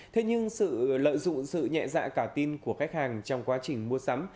thế nhưng sự lợi dụng sự nhẹ dạ cả tin của khách hàng trong quá trình mua sắm